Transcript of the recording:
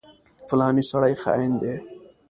فلانی سړی خاين دی.